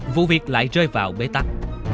vụ việc lại rơi vào bế tắc